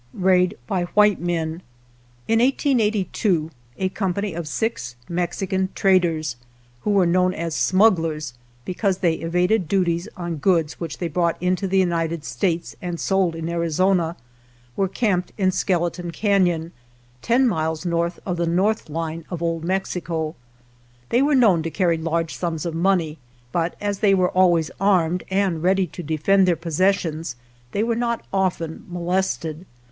Raid by White Men In 1882 a company of six Mexican tra ders, who were known as " smugglers " be cause they evaded duties on goods which they brought into United States and sold in Arizona, were camped in Skeleton Canon, ten miles north of the north line of Old Mexico. They were known to carry large sums of money, but as they were always armed and ready to defend their possessions they were not often molested.